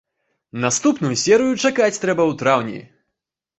Наступную серыю чакаць трэба ў траўні!